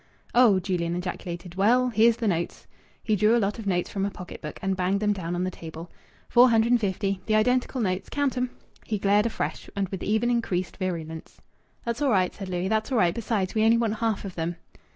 "Oh!" Julian ejaculated. "Well, here's the notes." He drew a lot of notes from a pocket book and banged them down on the table. "Four hundred and fifty. The identical notes. Count 'em." He glared afresh, and with even increased virulence. "That's all right," said Louis. "That's all right. Besides, we only want half of them."